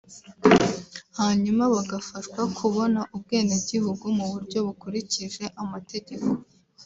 hanyuma bagafashwa kubona ubwenegihugu mu buryo bukurikije amategeko